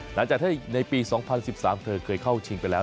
หลังจากที่ในปี๒๐๑๓เธอเคยเข้าชิงไปแล้ว